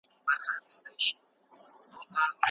انټرنیټ واټنونه له منځه وړي دي.